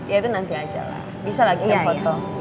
ya itu nanti aja lah bisa lagi di foto